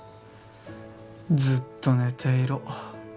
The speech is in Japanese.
「ずっと寝ていろ。